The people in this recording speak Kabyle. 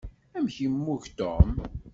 Amek yemmug Tom?